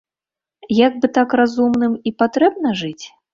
Як бы так разумным і патрэбна жыць?